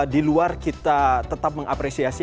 di luar kita tetap mengapresiasi